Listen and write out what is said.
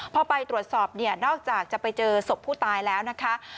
พอไปตรวจสอบเนี่ยนอกจากจะไปเจอศพผู้ตายแล้วนะคะ